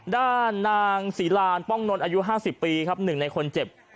ด้านนางศรีรานป้องนนอายุ๕๐ปีครับ๑ในคนเจ็บ